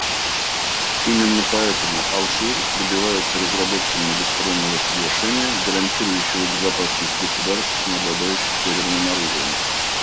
Именно поэтому Алжир добивается разработки многостороннего соглашения, гарантирующего безопасность государств, не обладающих ядерным оружием.